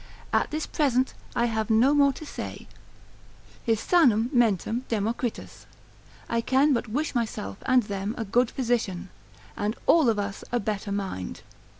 At this present I have no more to say; His sanam mentem Democritus, I can but wish myself and them a good physician, and all of us a better mind.